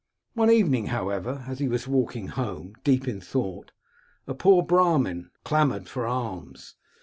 One evening, however, as he was walking home, deep in thought, a poor Brahmin clamoured for alms.